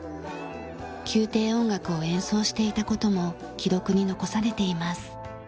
宮廷音楽を演奏していた事も記録に残されています。